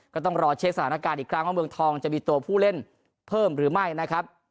ก็ต้องรอเช็คสถานการณ์อีกครั้งว่าเมืองทองจะมีตัวผู้เล่นเพิ่มหรือไม่นะครับ